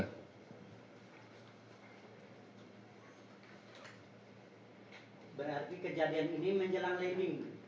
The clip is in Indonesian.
berarti kejadian ini menjelang landing